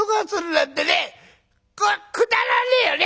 くだらねえよね？